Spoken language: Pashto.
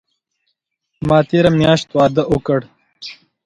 ما تیره میاشت واده اوکړ